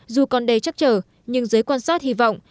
dù còn đầy chắc chở nhưng giới quan sát hy vọng